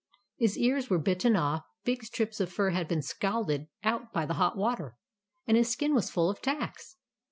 His ears were bitten off, big strips of fur had been scalded out by the hot water, and his skin was full of tacks.